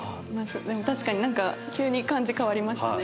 でも確かになんか急に感じ変わりましたね。